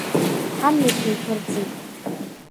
Ҳамҩақәа еиԥырҵит.